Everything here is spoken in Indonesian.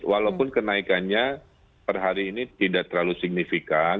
walaupun kenaikannya per hari ini tidak terlalu signifikan